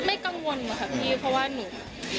ไม่กังวลนะครับพี่เพราะว่าหนู